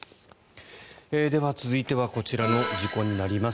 では、続いてはこちらの事故になります。